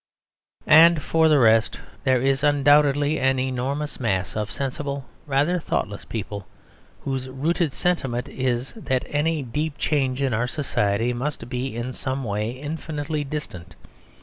And for the rest, there is undoubtedly an enormous mass of sensible, rather thoughtless people, whose rooted sentiment it is that any deep change in our society must be in some way infinitely distant.